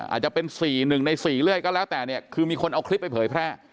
อาจจะเป็น๔๑ใน๔เรื่อยก็แล้วแต่เนี่ยคือมีคนเอาคลิปไปเผยแพร่